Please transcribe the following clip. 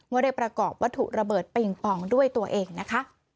ว่าได้ประกอบวัตถุระเบิดปิงปองด้วยตัวเองนะคะ